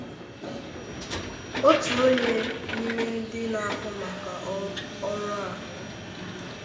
ótù onye n'ime ndị na-ahụ maka ọrụ ahụ